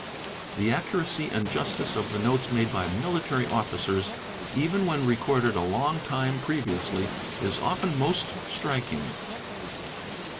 The accuracy and justice — of the notes made by military officers, even when recorded a long time previously, is often most striking.